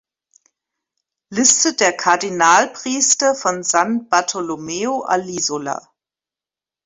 Liste der Kardinalpriester von San Bartolomeo all’Isola